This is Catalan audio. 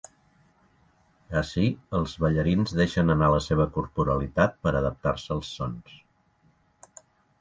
Ací els ballarins deixen anar la seva corporalitat per adaptar-se als sons.